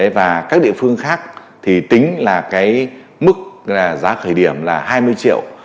và các địa phương khác thì tính là cái mức giá khởi điểm là hai mươi triệu